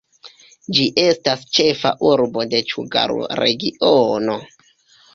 Ĝi estas ĉefa urbo de Cugaru-regiono.